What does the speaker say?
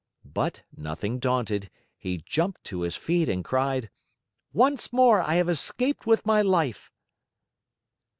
But, nothing daunted, he jumped to his feet and cried: "Once more I have escaped with my life!"